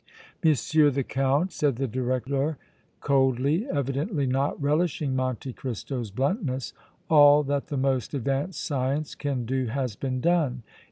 "M. the Count," said the director, coldly, evidently not relishing Monte Cristo's bluntness, "all that the most advanced science can do has been done.